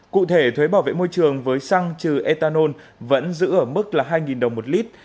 cụ thể thuế bảo vệ môi trường với xăng trừ ethanol vẫn giữ ở mức là hai đồng một lít